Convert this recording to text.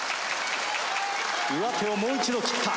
上手をもう一度切った。